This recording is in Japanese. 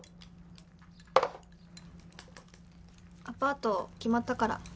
アパート決まったから。